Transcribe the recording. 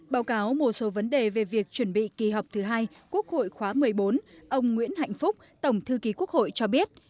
báo cáo một số vấn đề về việc chuẩn bị kỳ họp thứ hai quốc hội khóa một mươi bốn ông nguyễn hạnh phúc tổng thư ký quốc hội cho biết